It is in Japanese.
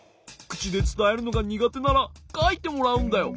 くちでつたえるのがにがてならかいてもらうんだよ。